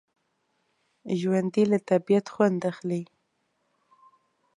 ژوندي له طبعیت خوند اخلي